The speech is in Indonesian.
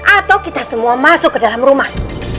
atau kita semua masuk ke dalam rumah